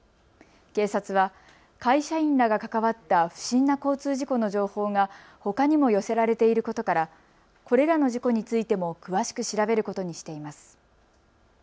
警察は会社員らが関わった不審な交通事故の情報がほかにも寄せられていることからこれらの事故についても詳しく調べることにしています。